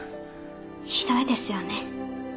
ひどいですよね。